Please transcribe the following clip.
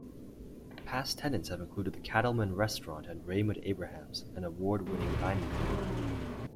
Past tenants have included The Cattleman restaurant and Raymond Abrahams, an award-winning diamond jeweler.